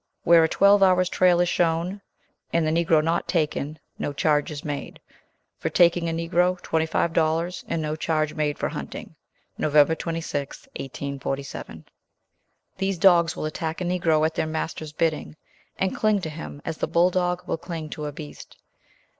Where a twelve hours' trail is shown, and the Negro not taken, no charge is made. For taking a Negro, twenty five dollars, and no charge made for hunting. "Nov. 26, 1847." These dogs will attack a Negro at their master's bidding and cling to him as the bull dog will cling to a beast.